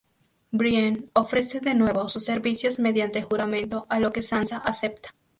Brienne ofrece de nuevo sus servicios mediante juramento, a lo que Sansa acepta.